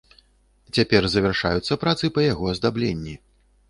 Цяпер завяршаюцца працы па яго аздабленні.